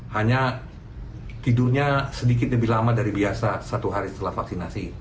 hanya tidurnya sedikit lebih lama dari biasa satu hari setelah vaksinasi